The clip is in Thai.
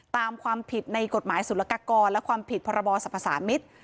ตามความผิดในกฎหมายสุรกากรและความผิดพรบสรรพสามิตร